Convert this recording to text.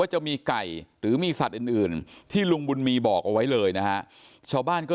จะมีไก่หรือมีสัตว์อื่นที่ลุงบุญมีบอกเอาไว้เลยนะฮะชาวบ้านก็